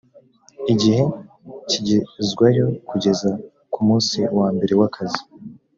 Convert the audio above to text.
igihe cyigizwayo kugeza ku munsi wa mbere w’akazi